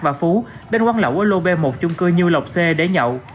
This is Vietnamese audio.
và phú đến quán lẩu ở lô b một chung cư nhiêu lọc c để nhậu